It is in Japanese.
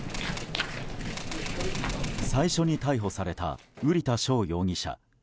最初に逮捕された瓜田翔容疑者。